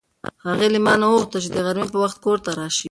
هغې له ما نه وغوښتل چې د غرمې په وخت کې کور ته راشه.